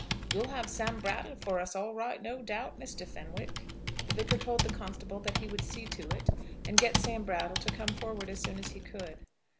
You'll have Sam Brattle for us all right, no doubt, Mr. Fenwick?" The Vicar told the constable that he would see to it, and get Sam Brattle to come forward as soon as he could.